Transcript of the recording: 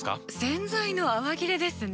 洗剤の泡切れですね。